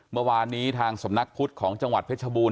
เมื่อวานนี้ทางสำนักพุทธของจังหวัดเพชรบูร